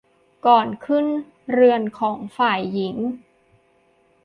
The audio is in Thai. ก่อนขึ้นเรือนของฝ่ายหญิง